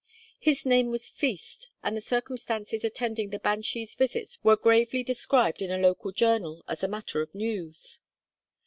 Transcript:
His name was Feast, and the circumstances attending the banshee's visits were gravely described in a local journal as a matter of news.